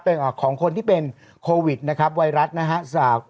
เป็นของคนที่เป็นโควิดนะครับไวรัสนะฮะ